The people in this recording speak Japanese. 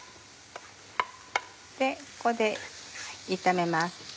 ここで炒めます。